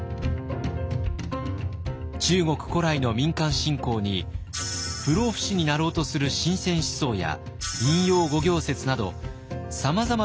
中国古来の民間信仰に不老不死になろうとする神仙思想や陰陽五行説などさまざまな要素が融合した宗教です。